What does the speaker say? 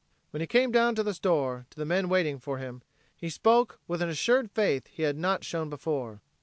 When he came down to the store, to the men waiting for him, he spoke with an assured faith he had not shown before.